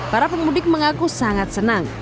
para pemudik mengaku sangat senang